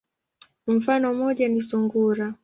Mfano moja ni sungura.